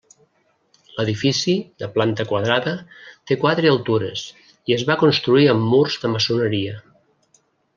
L'edifici, de planta quadrada, té quatre altures i es va construir amb murs de maçoneria.